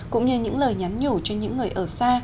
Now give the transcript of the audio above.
cũng như những lời nhắn nhủ cho những người ở xa